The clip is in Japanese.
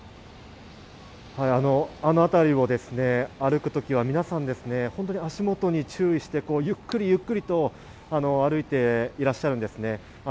あの辺りを歩くときは、皆さん、本当に足元に注意してゆっくりゆっくりと歩いていらっしゃるんですね。